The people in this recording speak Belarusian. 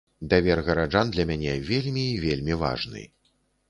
Давер гараджан для мяне вельмі і вельмі важны.